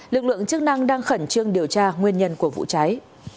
lực lượng chức năng đang khẩn trương điều tra nguyên nhân của vụ cháy